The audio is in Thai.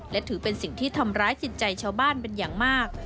และถือเป็นสิ่งที่ทำร้ายจิตใจชาวบ้านเป็นอย่างมาก